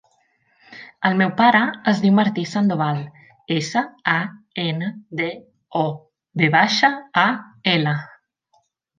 El meu pare es diu Martí Sandoval: essa, a, ena, de, o, ve baixa, a, ela.